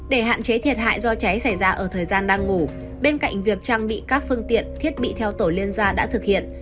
để hạn chế thiệt hại do cháy xảy ra ở thời gian đang ngủ bên cạnh việc trang bị các phương tiện thiết bị theo tổ liên gia đã thực hiện